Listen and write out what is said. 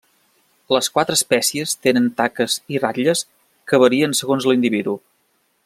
Les quatre espècies tenen taques i ratlles que varien segons l'individu.